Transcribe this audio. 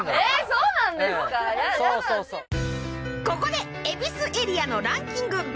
ここで恵比寿エリアのランキング